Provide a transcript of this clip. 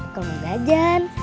aku mau gajan